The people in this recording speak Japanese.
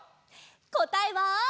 こたえは。